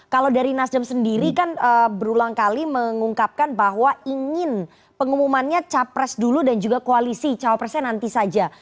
kalau dari nasdem sendiri kan berulang kali mengungkapkan bahwa ingin pengumumannya capres dulu dan juga koalisi cawapresnya nanti saja